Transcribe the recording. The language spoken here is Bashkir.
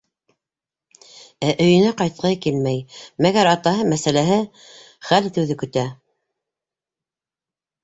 Ә өйөнә ҡайтҡыһы килмәй, мәгәр атаһы мәсьәләһе хәл итеүҙе көтә.